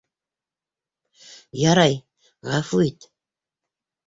Ярай, ғәфү ит...